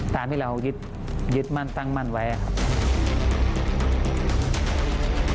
ตามที่เรายึดมั่นตั้งมั่นไว้ครับ